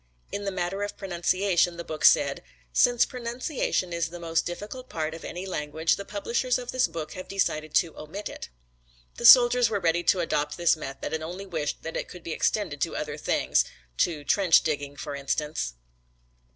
In the matter of pronunciation the book said, "Since pronunciation is the most difficult part of any language the publishers of this book have decided to omit it." The soldiers were ready to adopt this method and only wished that it could be extended to other things. To trench digging for instance.